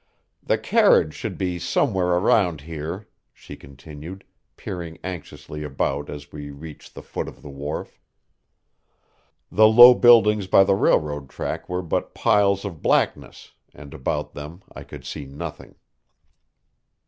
"The carriage should be somewhere around here," she continued, peering anxiously about as we reached the foot of the wharf. The low buildings by the railroad track were but piles of blackness, and about them I could see nothing.